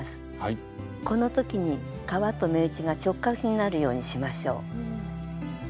このときに革と目打ちが直角になるようにしましょう。